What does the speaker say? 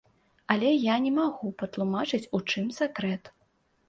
Але я не магу патлумачыць, у чым сакрэт.